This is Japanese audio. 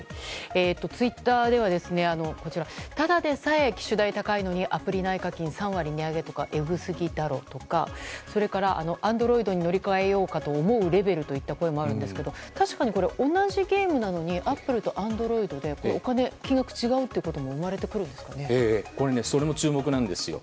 ツイッターではただでさえ機種代が高いのにアプリ内課金３割値上げとかエグすぎだろとかそれからＡｎｄｒｏｉｄに乗り換えようかと思うレベルといった声もあるんですけど確かに同じゲームなのにアップルとＡｎｄｒｏｉｄで金額が違うということもそれも注目なんですよ。